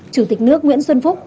chủ tịch nước nguyễn xuân phúc